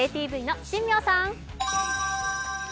ＡＴＶの新名さん。